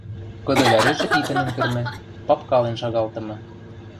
Кыды вӓрежӹ итӹнӹм кӹрмӹ, папкален шагалтымы.